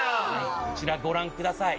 こちらご覧ください。